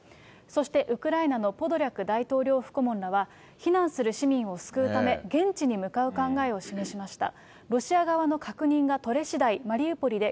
そして、ウクライナのポドリャク大統領府顧問らは、避難する市民を救うため現地に向かう考えを示しました。